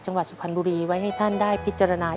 จังหวัดสุพรรณบุรีไว้ให้ท่านได้พิจารณา